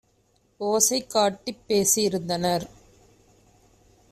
ஓசை காட்டிப் பேசி யிருந்தனர்.